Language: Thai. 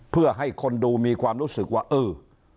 เพื่อให้คนดูมีความรู้สึกว่าเออ